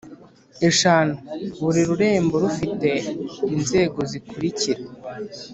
eshanu Buri rurembo rufite inzego zikurikira